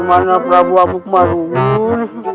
dimana prabu amuk marukul